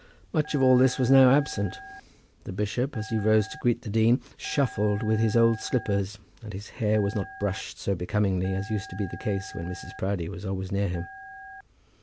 Much of all this was now absent. The bishop, as he rose to greet the dean, shuffled with his old slippers, and his hair was not brushed so becomingly as used to be the case when Mrs. Proudie was always near him.